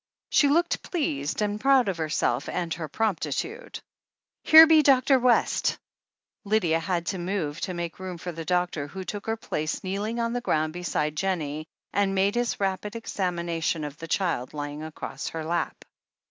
She looked pleased, and proud of herself and her promptitude. "Here be Dr. West !" Lydia had to move, to make room for the doctor, who took her place kneeling on the ground beside Jen nie, and made his rapid examination of the child lying across her lap.